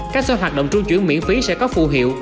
các số hoạt động trung chuyển miễn phí sẽ có phù hiệu